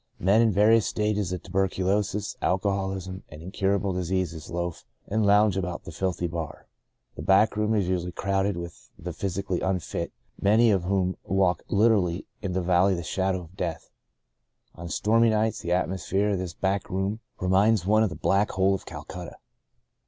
Men in various stages of tuberculosis, alcoholism, and incurable dis ease loaf and lounge about the filthy bar. The back room is usually crowded with the physically unfit, many of whom walk literally in the valley of the shadow of death. On stormy nights, the atmosphere of this back room reminds one of the Black Hole of Cal cutta.